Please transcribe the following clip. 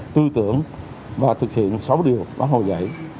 tư tưởng và thực hiện sáu điều báo hồi dạy